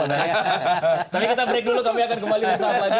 tapi kita break dulu kami akan kembali di saat lain